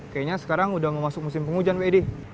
kayanya sekarang udah mau masuk musim penghujan p edi